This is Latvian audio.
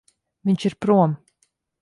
Viņš ir prom.